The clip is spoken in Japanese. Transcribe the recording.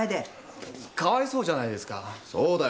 そうだよ。